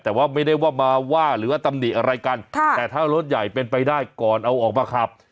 แต่ว่าไม่ได้ว่ามาว่าหรือว่าตำหนิอะไรกันแต่ถ้ารถใหญ่เป็นไปได้ก่อนเอาออกมาขับ